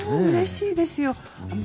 うれしいですよ。